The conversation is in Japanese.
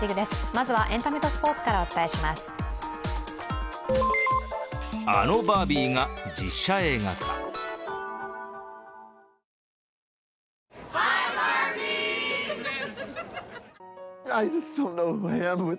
まずはエンタメとスポーツからお伝えしてまいります。